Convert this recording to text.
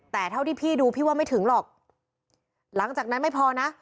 แต่เท่าที่พี่ดูพี่ว่าไม่ถึงหรอกหลังจากนั้นไม่พอนะ